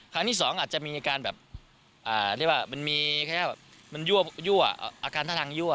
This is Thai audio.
ครั้งที่๒อาจจะมีโย่ละเกิดอาการทะทาง